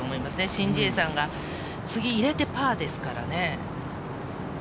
シン・ジエさんが次、入れてパーですからね。